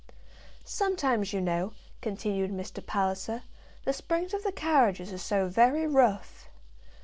"Sometimes, you know," continued Mr. Palliser, "the springs of the carriages are so very rough."